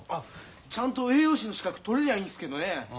ちゃんと栄養士の資格取れりゃあいいんすけどね。